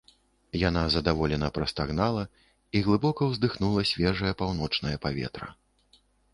Яна задаволена прастагнала і глыбока ўдыхнула свежае паўночнае паветра